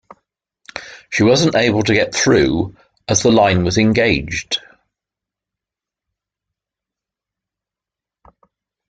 She wasn’t able to get through, as the line was engaged